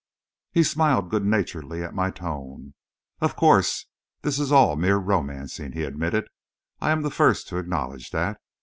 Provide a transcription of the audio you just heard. He smiled good naturedly at my tone. "Of course, this is all mere romancing," he admitted. "I am the first to acknowledge that.